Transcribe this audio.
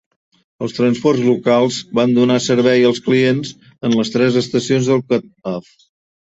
Els transports locals van donar servei als clients en les tres estacions del Cut-Off.